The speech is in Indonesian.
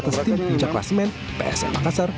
atas tim puncak klasemen psm makassar